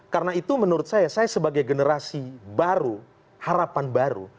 karena itu menurut saya saya sebagai generasi baru harapan baru